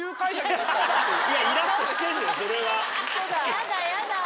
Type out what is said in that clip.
やだやだ。